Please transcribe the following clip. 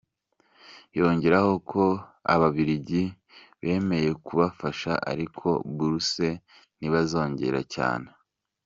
Yongeraho ko ababiligi bemeye kubafasha ariko bourses ntibazongera cyane.